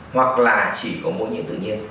hoặc là chỉ có mỗi nhiễm tự nhiên